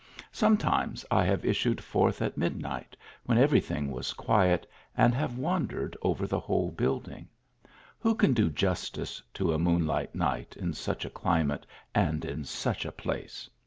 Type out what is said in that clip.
Sometimes I have issued forth at midnight when every thing was quiet, and have wandered over the whole building. Who can do justice to a moonlight night in such a climate, and in such a place